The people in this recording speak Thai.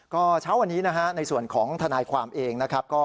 ก็เช้าไปนี้นะคะในส่วนของทนายความเอง